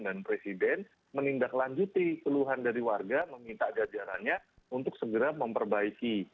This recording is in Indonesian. dan presiden menindaklanjuti keluhan dari warga meminta jajarannya untuk segera memperbaiki